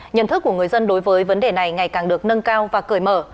nhận thức của người dân đối với vấn đề này ngày càng được nâng cao và cởi mở